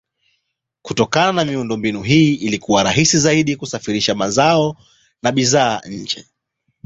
Kutokana na miundombinu hii ilikuwa rahisi zaidi kusafirisha mazao na bidhaa nje.